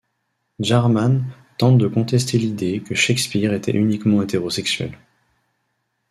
Jarman tente de contester l'idée que Shakespeare était uniquement hétérosexuel.